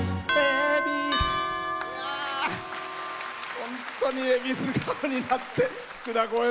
本当にえびす顔になって。